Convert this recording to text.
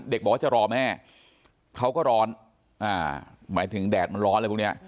บอกว่าจะรอแม่เขาก็ร้อนหมายถึงแดดมันร้อนอะไรพวกนี้